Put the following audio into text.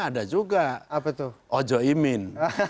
ada juga apa itu ojo imin